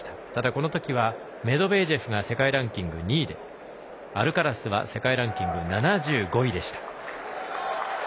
この時はメドベージェフが世界ランキング２位でアルカラスが世界ランキング７５位でした。